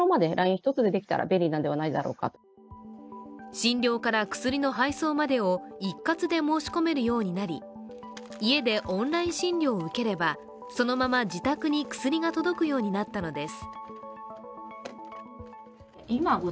診療から薬の配送までを一括で申し込めるようになり、家でオンライン診療を受ければそのまま自宅に薬が届くようになったのです。